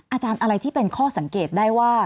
อาจารย์อะไรที่เป็นข้อสังเกตได้ว่า